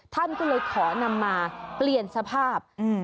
ท่านก็เลยขอนำมาเปลี่ยนสภาพ